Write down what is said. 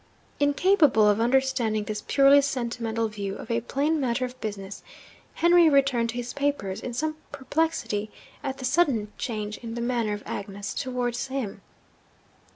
Incapable of understanding this purely sentimental view of a plain matter of business, Henry returned to his papers, in some perplexity at the sudden change in the manner of Agnes towards him.